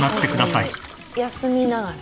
休み休みながら。